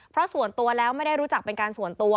เพราะส่วนตัวแล้วไม่ได้รู้จักเป็นการส่วนตัว